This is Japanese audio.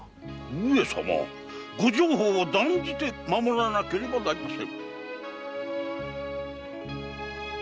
上様御定法は断じて守らなければなりません。